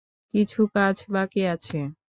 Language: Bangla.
কিছু কাজ বাকি আছে।